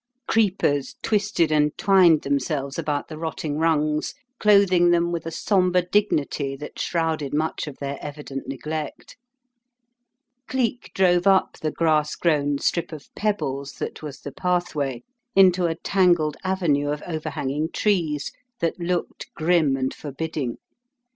Creepers twisted and twined themselves about the rotting rungs, clothing them with a sombre dignity that shrouded much of their evident neglect. Cleek drove up the grass grown strip of pebbles that was the pathway into a tangled avenue of overhanging trees that looked grim and forbidding.